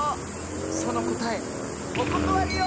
そのこたえおことわりよ！